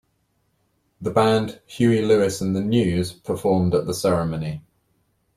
The band Huey Lewis and the News performed at the ceremony.